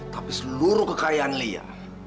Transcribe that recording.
tapi seluruh kekayaan lia